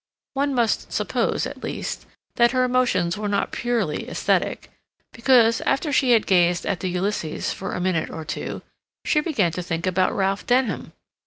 One must suppose, at least, that her emotions were not purely esthetic, because, after she had gazed at the Ulysses for a minute or two, she began to think about Ralph Denham.